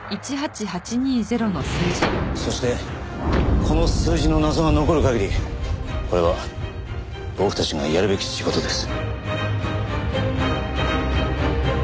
そしてこの数字の謎が残る限りこれは僕たちがやるべき仕事です。